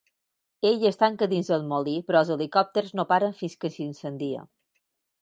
Ella es tanca dins el molí però els helicòpters no paren fins que s'incendia.